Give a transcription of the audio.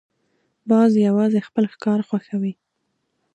باز یوازې خپل ښکار خوښوي